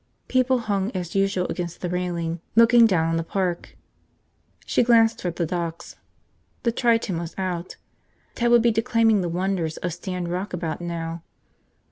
People hung as usual against the railing, looking down on the park. She glanced toward the docks. The Triton was out. Ted would be declaiming the wonders of Stand Rock about now.